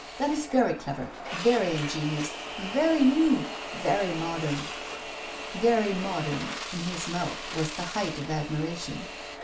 That is very clever, very ingenious, very new, very modern." "Very modern" in his mouth was the height of admiration.